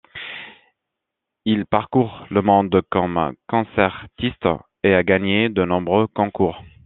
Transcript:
Il parcourt le monde comme concertiste et a gagné de nombreux concours.